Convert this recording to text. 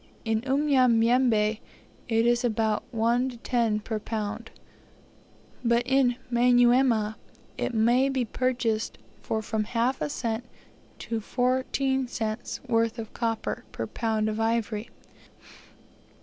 In Unyanyembe it is about $1 10 per pound, but in Manyuema, it may be purchased for from half a cent to 14 cent's worth of copper per pound of ivory.